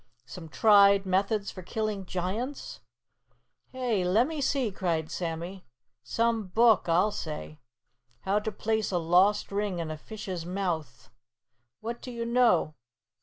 'SOME TRIED METHODS FOR KILLING GIANTS.'" "Hey! Lem_me_ see," cried Sammy. "Some book, I'll say. 'HOW TO PLACE A LOST RING IN A FISH'S MOUTH.' What do you know!